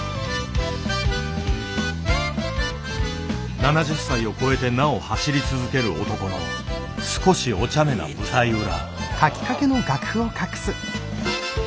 ７０歳を超えてなお走り続ける男の少しおちゃめな舞台裏。